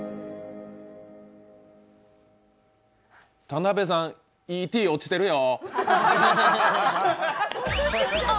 田辺さん、ＥＴ落ちてるよ。